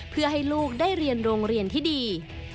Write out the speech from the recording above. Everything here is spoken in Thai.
เพื่อให้ลูกได้เรียนโรงเรียนที่ดี